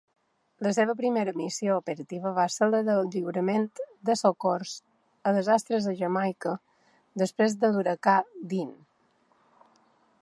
La seva primera missió operativa va ser la de lliurament de socors a desastres a Jamaica després de l'huracà Dean.